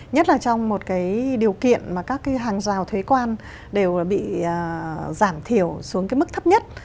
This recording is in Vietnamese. nhất là trong một điều kiện mà các hàng rào thuế quan đều bị giảm thiểu xuống mức thấp nhất